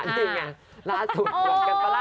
นี่ไงล่าสุดหยุดกันก็ล่ะ